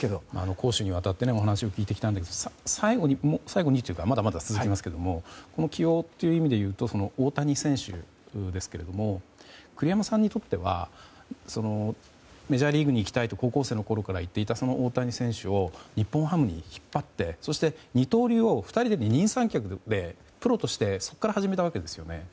攻守にわたってお話を聞いてきたんですけどこの起用という意味でいうと大谷選手ですが栗山さんにとってはメジャーリーグに行きたいと高校生のころから言っていたその大谷選手を日本ハムに引っ張ってそして二刀流を二人三脚でプロとしてそこから始めたわけですよね。